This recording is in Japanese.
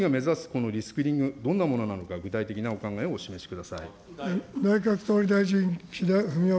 このリスキリング、どんなものなのか、具体的なお考えをお示しください。